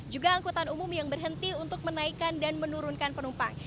juga angkutan umum yang berhenti untuk menaikkan dan menurunkan penumpang